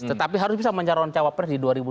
tetapi harus bisa mencalon cawapres di dua ribu dua puluh